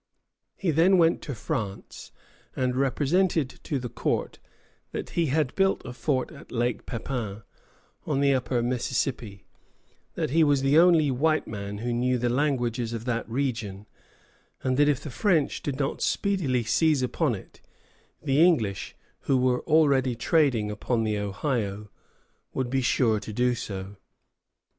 He then went to France, and represented to the court that he had built a fort at Lake Pepin, on the upper Mississippi; that he was the only white man who knew the languages of that region; and that if the French did not speedily seize upon it, the English, who were already trading upon the Ohio, would be sure to do so.